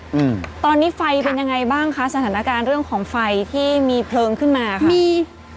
อืมตอนนี้ไฟเป็นยังไงบ้างคะสถานการณ์เรื่องของไฟที่มีเพลิงขึ้นมาค่ะมี